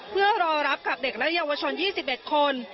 เพื่อรอรับกับเด็กและเยาวชน๒๑คน